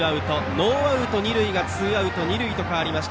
ノーアウト二塁がツーアウト二塁と変わりました。